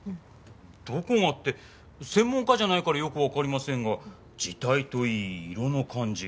どこがって専門家じゃないからよくわかりませんが字体といい色の感じ